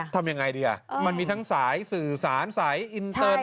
ทำยังไงดีมันมีทั้งสายสื่อสารสายอินเตอร์